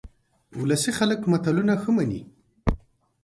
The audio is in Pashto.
ولسي خلک متلونه ښه مني